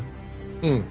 うん。